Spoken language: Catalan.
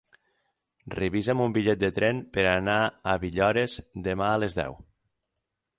Reserva'm un bitllet de tren per anar a Villores demà a les deu.